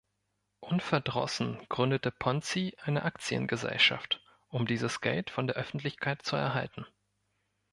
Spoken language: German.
Unverdrossen gründete Ponzi eine Aktiengesellschaft, um dieses Geld von der Öffentlichkeit zu erhalten.